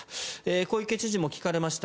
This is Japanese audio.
小池知事も聞かれました。